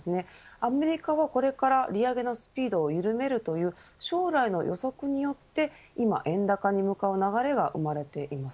アメリカはこれから利上げのスピードを緩めるという将来の予測によって今、円高に向かう流れが生まれています。